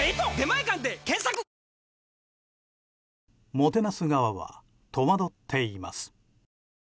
もてなす側は戸惑っています。